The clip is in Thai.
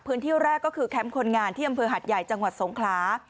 แรกก็คือแคมป์คนงานที่อำเภอหัดใหญ่จังหวัดสงขลา